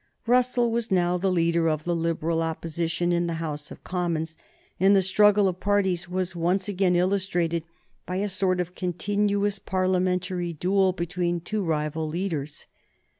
Russell was now the leader of the Liberal Opposition in the House of Commons, and the struggle of parties was once again illustrated by a sort of continuous Parliamentary duel between two rival leaders.